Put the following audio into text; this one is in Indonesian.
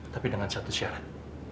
tapi dengan satu syarat